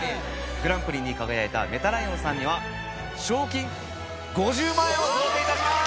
グランプリに輝いたメタらいおんさんには賞金５０万円を贈呈致します！